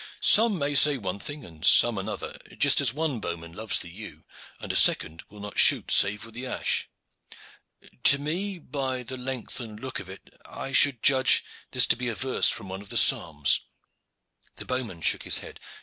Some might say one thing and some another, just as one bowman loves the yew, and a second will not shoot save with the ash. To me, by the length and the look of it, I should judge this to be a verse from one of the Psalms." The bowman shook his head.